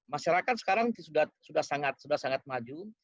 masyarakat sekarang sudah sangat maju